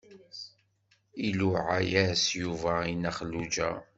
Iluɛa-yas Yuba i Nna Xelluǧa.